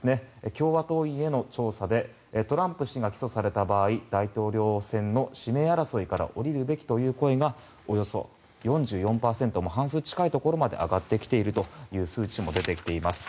共和党員への調査でトランプ氏が起訴された場合大統領選の指名争いから降りるべきという声がおよそ４４％半数近いところまで上がってきているという数値も出てきています。